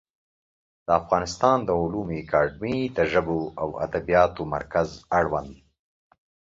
د افغانستان د علومو اکاډمي د ژبو او ادبیاتو مرکز اړوند